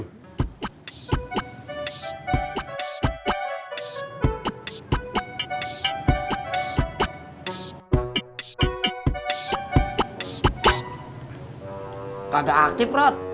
gak ada aktif rod